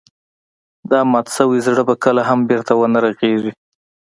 دا مات شوی زړه به کله هم بېرته ونه رغيږي.